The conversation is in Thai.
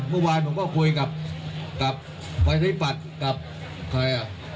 เมื่อวานผมก็คุยกับไฟไทยปัดกับใครอ่ะ